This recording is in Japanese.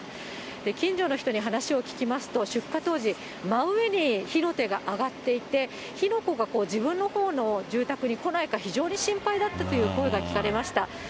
近所の人に話を聞きますと、出火当時、真上に火の手が上がっていて、火の粉がこう、自分のほうの住宅に来ないか、非常に心配だったという声が聞かれました。